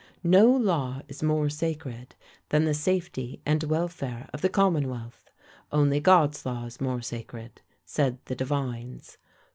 No law is more sacred than the safety and welfare of the commonwealth. "Only God's law is more sacred, said the divines.